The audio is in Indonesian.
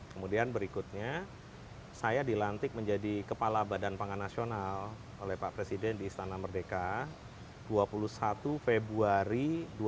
kemudian berikutnya saya dilantik menjadi kepala badan pangan nasional oleh pak presiden di istana merdeka dua puluh satu februari dua ribu dua puluh